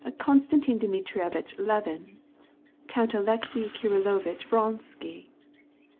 "Konstantin Dmitrievitch Levin, Count Alexey Kirillovitch Vronsky."